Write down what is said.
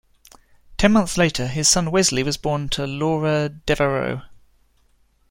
Ten months later, his son Wesley was born to Laura Devereaux.